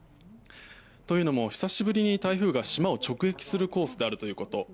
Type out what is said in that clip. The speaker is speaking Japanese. というのも、久しぶりに台風が島を直撃するコースであるということ。